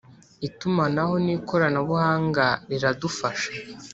itumanaho n ikoranabuhanga riradufasha